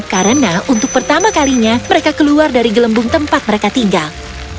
karena untuk pertama kalinya mereka keluar dari gelembung tempat mereka tinggal